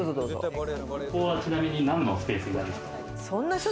ここは、ちなみに何のスペースになるんですか？